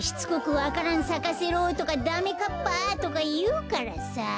「わか蘭さかせろ」とか「ダメかっぱ」とかいうからさ。